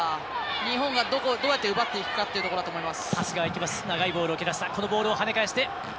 日本がどうやって奪っていくかというところだと思います。